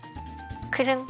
くるん。